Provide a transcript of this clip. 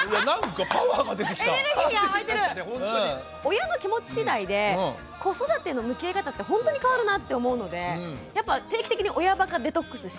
親の気持ちしだいで子育ての向き合い方ってほんとに変わるなって思うのでやっぱ定期的に親バカデトックスしましょう。